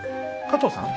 加藤さん？